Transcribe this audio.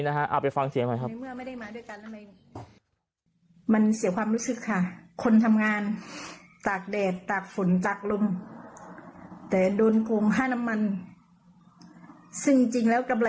นะฮะอ่าไปฟังเสียงใหม่ครับไม่ได้มาด้วยกันแล้วไหมมันเสียความรู้สึกค่ะ